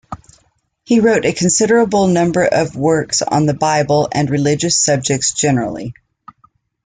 He wrote a considerable number of works on the Bible and religious subjects generally.